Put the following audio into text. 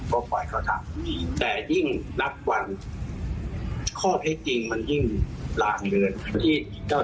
ก็ปล่อยเขาทำแต่ยิ่งนับวันข้อเท็จจริงมันยิ่งหลางเกิน